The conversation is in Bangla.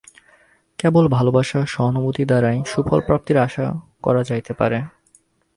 কেবল ভালবাসা ও সহানুভূতি দ্বারাই সুফল-প্রাপ্তির আশা করা যাইতে পারে।